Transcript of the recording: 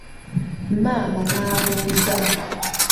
Maama n'abuuza.